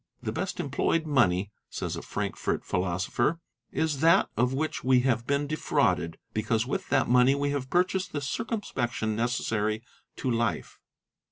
"The best employed money," says a Frankfort Philosopher, "is that of which we have been defrauded, because with that money we have purchased the circumspection necessary to life."